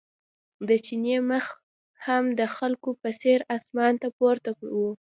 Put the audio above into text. د چیني مخ هم د خلکو په څېر اسمان ته پورته و.